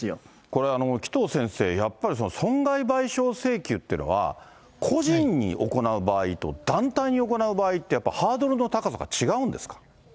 これは紀藤先生、やっぱり損害賠償請求っていうのは、個人に行う場合と団体に行う場合って、やっぱりハードルの高さが違うんですか？